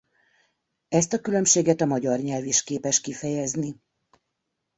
Ezt a különbséget a magyar nyelv is képes kifejezni.